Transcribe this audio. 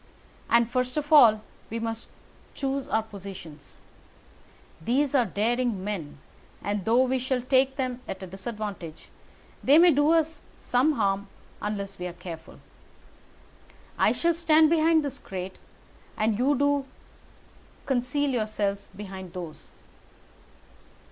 And, first of all, we must choose our positions. These are daring men, and though we shall take them at a disadvantage, they may do us some harm unless we are careful. I shall stand behind this crate, and do you conceal yourselves behind those.